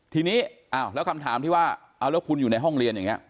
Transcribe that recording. ทีนี้แล้วคำถามที่ว่าเอาแล้วคุณอยู่ในห้องเรียนอย่างนี้